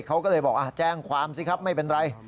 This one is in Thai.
เขาก็เลยบอกแจ้งความสิครับไม่เป็นไร